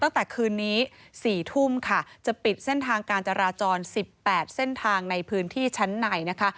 ตั้งแต่คืนนี้๔ทุ่มค่ะจะปิดเส้นทางการจราจร๑๘เส้นทางในพื้นที่ชั้นในนะคะ